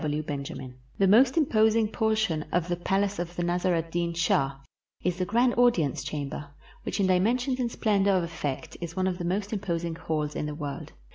G. W. BENJAMIN The most imposing portion of the palace of the Nasr ed Deen Shah is the grand audience chamber, which in dimensions and splendor of effect is one of the most imposing halls in the. world.